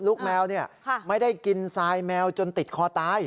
ลูกแมวนี่ไม่ได้กินซายแมวจนติดคอตาย